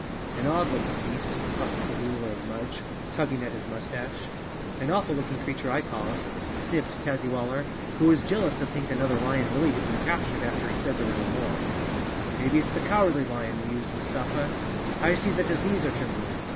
"An odd looking beast," puffed the ruler of Mudge, tugging at his mustache. "An awful looking creature I call it," sniffed Tazzy waller, who was jealous to think another lion really had been captured after he said there were no more. 43 The Cowardly Lion of Oz "Maybe it's the Cowardly Lion," mused Mustafa. " I see that his knees are trembling.